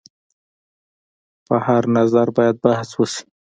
پر هر نظر باید بحث وشي.